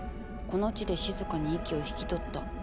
この地で静かに息を引き取った。